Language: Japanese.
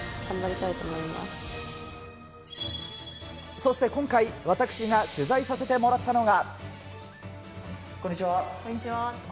そして今回、私が取材させてもらったのが。